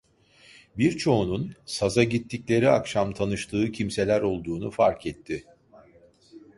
Birçoğunun, saza gittikleri akşam tanıştığı kimseler olduğunu fark etti.